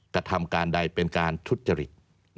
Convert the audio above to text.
กระทำการใดเป็นการทุจริต